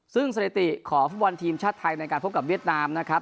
ซึ่งสถิติของฟุตบอลทีมชาติไทยในการพบกับเวียดนามนะครับ